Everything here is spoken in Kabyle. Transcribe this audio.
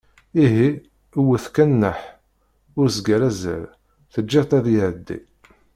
Ihi, wwet kan nnaḥ, ur s-ggar azal, teǧǧeḍ-t ad iɛeddi!